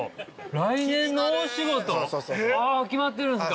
来年の大仕事決まってるんですか？